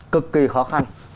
cực kỳ khó khăn